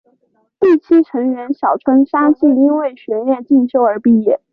一期成员小川纱季因为学业进修而毕业。